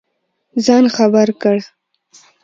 ځان خبر کړ.